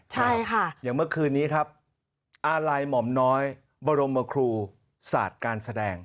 ใช่ค่ะอย่างเมื่อคืนนี้ครับอาลัยหม่อมน้อยบรมครูศาสตร์การแสดง